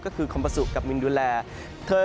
ก็คือคอมบาสุกับมินดูแล